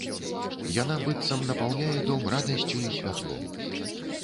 Яна быццам напаўняе дом радасцю і святлом.